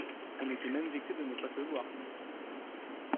On était même vexé de ne pas te voir.